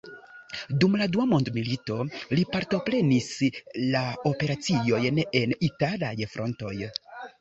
Dum la Dua mondmilito li partoprenis la operaciojn en italaj frontoj.